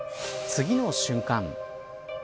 次の瞬間。